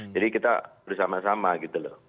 jadi kita bersama sama gitu loh